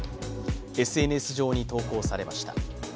ＳＮＳ上に投稿されました。